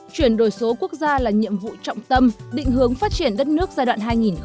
chuyển đổi số quốc gia là nhiệm vụ trọng tâm định hướng phát triển đất nước giai đoạn hai nghìn hai mươi một hai nghìn ba mươi